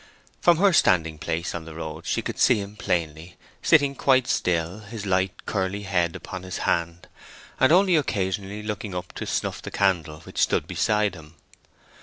From her standing place in the road she could see him plainly, sitting quite still, his light curly head upon his hand, and only occasionally looking up to snuff the candle which stood beside him.